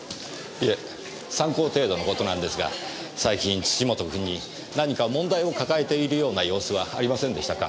いえ参考程度の事なんですが最近土本君に何か問題を抱えているような様子はありませんでしたか？